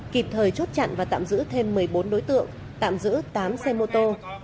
kịp thời chốt chặn và tạm giữ thêm một mươi bốn đối tượng tạm giữ tám xe mô tô